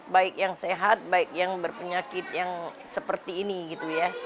baik yang sehat baik yang berpenyakit yang seperti ini gitu ya